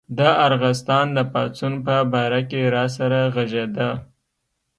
د ارغستان د پاڅون په باره کې راسره غږېده.